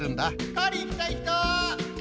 狩り行きたい人？